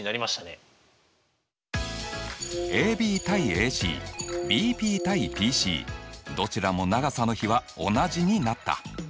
ＡＣＢＰ：ＰＣどちらも長さの比は同じになった。